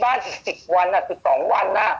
ถ้าถ้าถ้าถ้าถ้าถ้าถ้าถ้าถ้าถ้าสดจากที่บ้าน๑๐วันอ่ะ๑๒วันอ่ะ